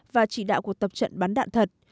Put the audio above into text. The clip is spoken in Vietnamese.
và chỉ đạo cuộc tập trận bắn đạn thật